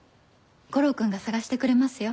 悟郎君が捜してくれますよ。